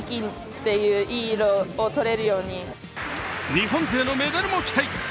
日本勢のメダルも期待。